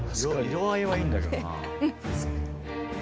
色合いはいいんだけどなあ。